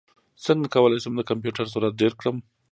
څنګه کولی شم د کمپیوټر سرعت ډېر کړم